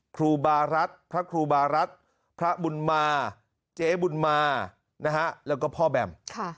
ครูบารัฐพระครูบารัฐพระบุญมาเจ๊บุญมานะฮะแล้วก็พ่อแบม